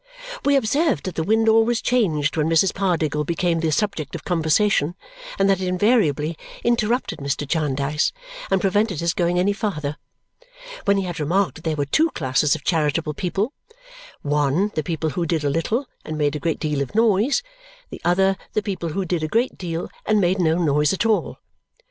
We observed that the wind always changed when Mrs. Pardiggle became the subject of conversation and that it invariably interrupted Mr. Jarndyce and prevented his going any farther, when he had remarked that there were two classes of charitable people; one, the people who did a little and made a great deal of noise; the other, the people who did a great deal and made no noise at all.